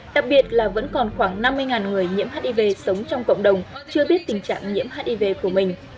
đặc biệt là vẫn còn khoảng năm mươi người nhiễm hiv sống trong cộng đồng chưa biết tình trạng nhiễm hiv của mình